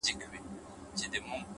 بریا له نظم سره مینه لري؛